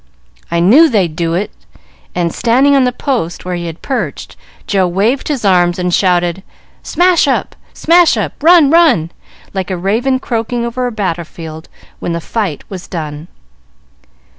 "I knew they'd do it!" and, standing on the post where he had perched, Joe waved his arms and shouted: "Smash up! Smash up! Run! Run!" like a raven croaking over a battlefield when the fight was done.